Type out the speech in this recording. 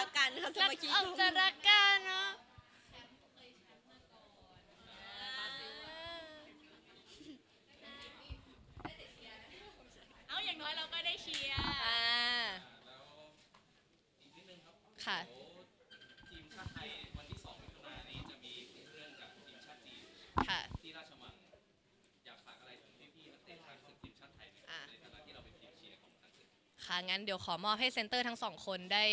ต้องไปทะเลาะกับพูปายรวมก็เปรียบค่ะ